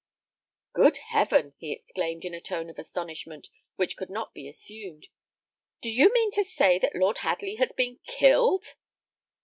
"Good heaven!" he exclaimed, in a tone of astonishment, which could not be assumed; "do you mean to say that Lord Hadley has been killed?"